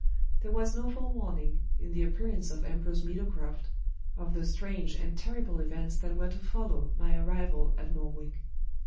There was no forewarning, in the appearance of Ambrose Meadowcroft, of the strange and terrible events that were to follow my arrival at Morwick.